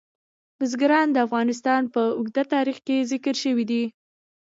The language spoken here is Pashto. بزګان د افغانستان په اوږده تاریخ کې ذکر شوی دی.